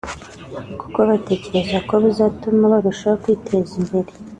kuko batekereza ko buzatuma barushaho kwiteza imbere